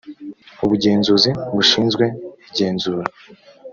ubugenzuzi bushinzwe igenzura